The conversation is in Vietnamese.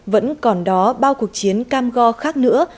vẫn còn đó bao cuộc chiến cam go khác nữa